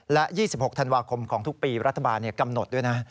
และ๒๖ธันวาคมของทุกปีรัฐบาลกำหนดด้วยนะ